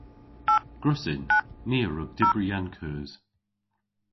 Gwrussyn. Ni a wrug dybri an keus.